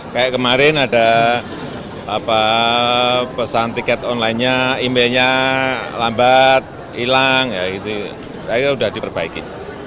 kayak kemarin ada pesan tiket online nya imbe nya lambat hilang ya itu saya udah diperbaiki